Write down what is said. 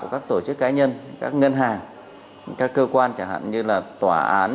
các tổ chức cá nhân các ngân hàng các cơ quan chẳng hạn như là tòa án